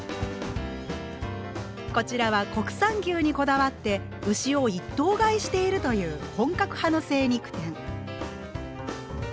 こちらは国産牛にこだわって牛を一頭買いしているという本格派の精肉店。